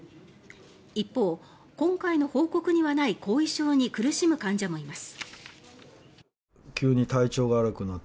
一方、今回の報告にはない後遺症に苦しむ患者もいます。